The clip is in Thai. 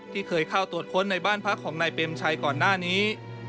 ที่เคยเข้าตรวจค้นในบ้านพักของนายเปรมชัยก่อนหน้านี้